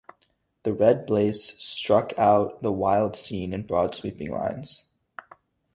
The red blaze struck out the wild scene in broad sweeping lines.